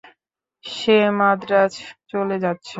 সে মাদ্রাজ চলে যাচ্ছে।